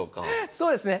そうですね。